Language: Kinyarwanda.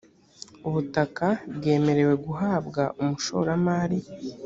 ubutaka bwemerewe guhabwa umushoramari